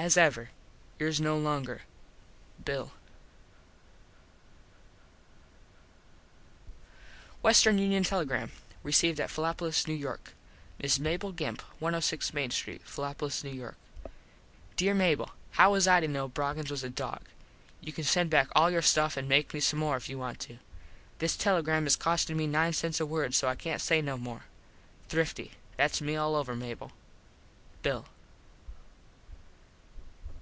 as ever yours no longer Bill WESTERN UNION TELEGRAM RECEIVED AT Philopolis, N.Y. Miss Mable Gimp 106 Main Street Philopolis, N.Y. Dere Mable: How was I to know Broggins was a dog. You can send back all your stuff and make me some more if you want to. This telegram is costing me nine cents a word so I cant say no more now. Thrifty. Thats me all over, Mable. Bill.